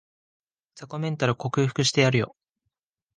雑魚メンタル克服してやるよ